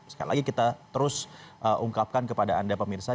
sekali lagi kita terus ungkapkan kepada anda pemirsa